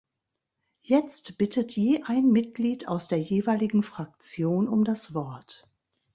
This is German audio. Jetzt bittet je ein Mitglied aus der jeweiligen Fraktion um das Wort.